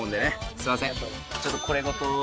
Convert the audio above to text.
すいません。